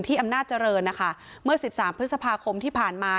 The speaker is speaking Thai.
อำนาจเจริญนะคะเมื่อ๑๓พฤษภาคมที่ผ่านมา